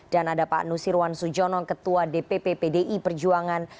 dan ada pak nusirwan sujono ketua dpp pdi perjuangan